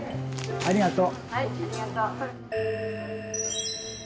ありがとう。